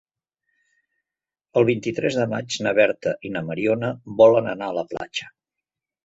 El vint-i-tres de maig na Berta i na Mariona volen anar a la platja.